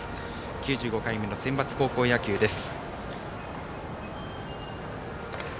９５回目のセンバツ高校野球です。